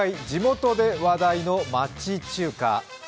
地元で話題の町中華。